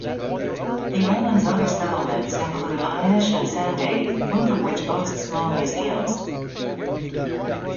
The island's other settlements include Hynish and Sandaig, both of which boast small museums.